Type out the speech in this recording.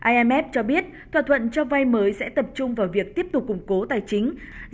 imf cho biết thỏa thuận cho vay mới sẽ tập trung vào việc tiếp tục củng cố tài chính